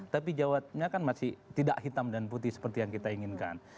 tapi jawabnya kan masih tidak hitam dan putih seperti yang kita inginkan